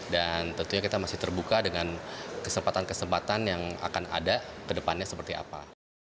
dan tentunya kita masih terbuka dengan kesempatan kesempatan yang akan ada ke depannya seperti apa